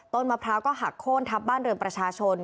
มะพร้าวก็หักโค้นทับบ้านเรือนประชาชน